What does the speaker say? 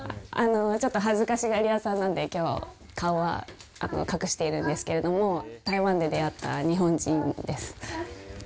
ちょっと恥ずかしがり屋さんなんで、きょうは、顔は隠しているんですけれども、台湾で出会った日本人です。